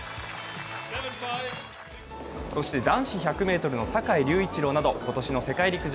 そして、男子１００ｍの坂井隆一郎など今年の世界陸上